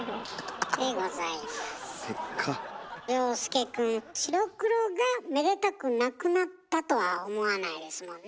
遥亮くん「白黒がめでたくなくなった」とは思わないですもんね。